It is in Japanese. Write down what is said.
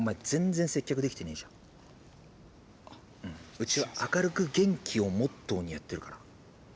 うちは「明るく元気」をモットーにやってるから。